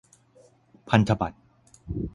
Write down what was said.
พันธบัตร